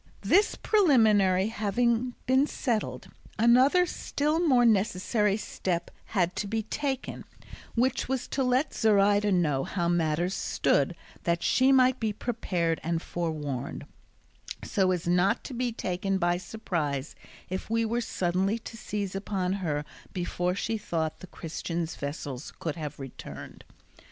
This preliminary having been settled, another still more necessary step had to be taken, which was to let Zoraida know how matters stood that she might be prepared and forewarned, so as not to be taken by surprise if we were suddenly to seize upon her before she thought the Christians' vessel could have returned.